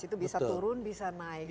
itu bisa turun bisa naik